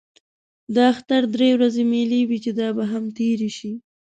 د اختر درې ورځې مېلې وې چې دا به هم تېرې شي.